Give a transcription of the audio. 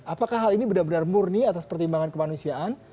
apakah hal ini benar benar murni atas pertimbangan kemanusiaan